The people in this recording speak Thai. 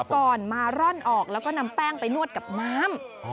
ก่อนมาร่อนออกแล้วก็นำแป้งไปนวดกับน้ำ